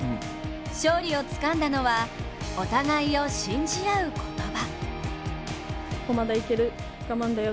勝利をつかんだのはお互いを信じ合う言葉。